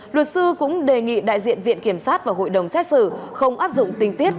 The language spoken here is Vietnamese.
luật sư cũng đề nghị đại diện viện kiểm sát và hội đồng xét xử không áp dụng tình tiết